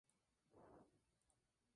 Fue un Obispo católico mexicano.